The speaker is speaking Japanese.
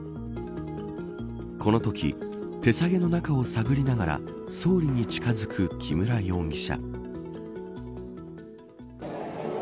このとき手提げの中を探りながら総理に近づく木村容疑者。